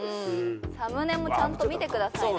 サムネもちゃんと見てくださいね。